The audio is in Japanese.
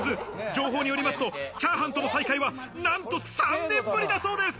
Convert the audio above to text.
情報によりますと、炒飯との再会は何と３年ぶりだそうです。